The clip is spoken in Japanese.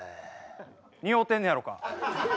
似合うてんねやろか？